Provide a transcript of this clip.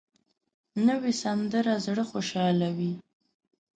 نوې سندره زړه خوشحالوي